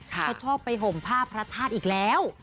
เขาชอบไปห่มผ้าพระธาตุอีกแล้ว